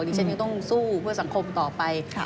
ดิฉันยังต้องสู้เพื่อสังคมต่อไป